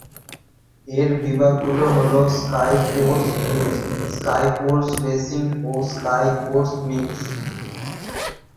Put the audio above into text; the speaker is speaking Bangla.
এর বিভাগগুলো হলো- Sky Sports News, Sky Sports racing ও স্কাই স্পোর্টস মিক্স।